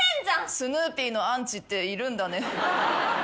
スヌーピーのアンチっているんだね。